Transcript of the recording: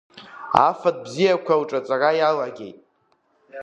Афатә бзиақәа лҿаҵара иалагеит.